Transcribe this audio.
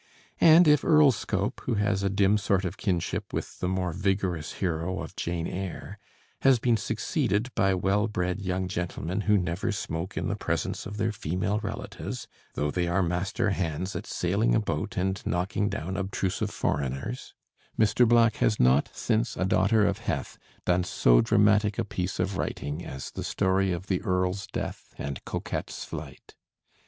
And if Earlscope, who has a dim sort of kinship with the more vigorous hero of 'Jane Eyre,' has been succeeded by well bred young gentlemen who never smoke in the presence of their female relatives, though they are master hands at sailing a boat and knocking down obtrusive foreigners, Mr. Black has not since 'A Daughter of Heth' done so dramatic a piece of writing as the story of the Earl's death and Coquette's flight.